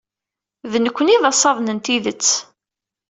D nekkni ay d asaḍen n tidet.